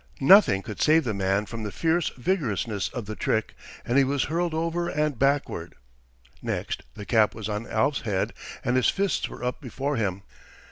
Nothing could save the man from the fierce vigorousness of the trick, and he was hurled over and backward. Next, the cap was on Alf's head and his fists were up before him.